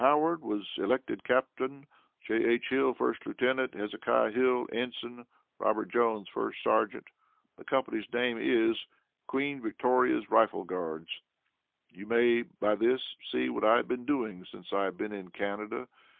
Howard was elected Captain; J.H. Hill, 1st Lieutenant; Hezekiah Hill, Ensign; Robert Jones, 1st Sergeant. The company's name is, Queen Victoria's Rifle Guards. You may, by this, see what I have been doing since I have been in Canada.